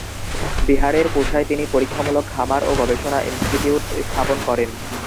বিহারের পুসায় তিনি পরীক্ষামূলক খামার ও গবেষণা ইনস্টিটিউট স্থাপন করেন।